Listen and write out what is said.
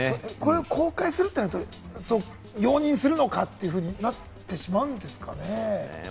公開するってなると、そうか、容認するのか？ってなってしまうんですかね。